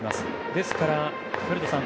ですから、古田さん